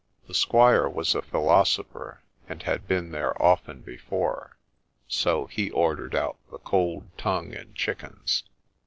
The squire was a philosopher, and had been there often before, so he ordered out the cold tongue and chickens.